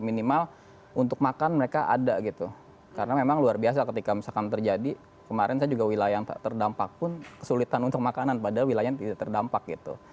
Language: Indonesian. minimal untuk makan mereka ada gitu karena memang luar biasa ketika misalkan terjadi kemarin saya juga wilayah yang terdampak pun kesulitan untuk makanan padahal wilayah yang tidak terdampak gitu